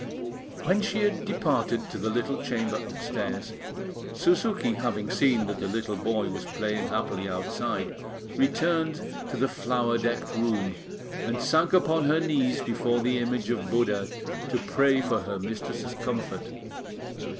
When she had departed to the little chamber upstairs, Suzuki, having seen that the little boy was playing happily outside, returned to the flower decked room, and sank upon her knees before the image of Buddha to pray for her mistress's comfort.